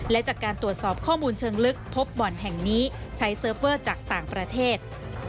และจากการตรวจสอบข้อมูลเชิงลึกพบบ่อนแห่งนี้ใช้เซิร์ฟเวอร์จากต่างประเทศ